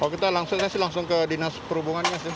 kalau kita langsungnya sih langsung ke dinas perhubungannya sih